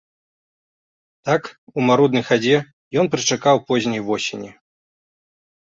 Так, у маруднай хадзе, ён прычакаў позняй восені.